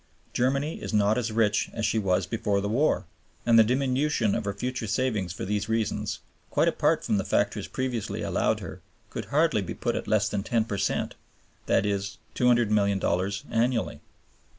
Germany is not as rich as she was before the war, and the diminution in her future savings for these reasons, quite apart from the factors previously allowed for, could hardly be put at less than ten per cent, that is $200,000,000 annually.